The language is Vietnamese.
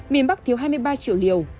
miền bắc thiếu hai mươi ba triệu liều